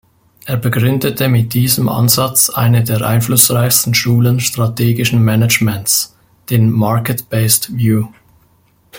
Er begründete mit diesem Ansatz eine der einflussreichsten Schulen strategischen Managements, den Market-Based View.